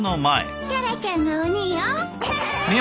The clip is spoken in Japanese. タラちゃんが鬼よ。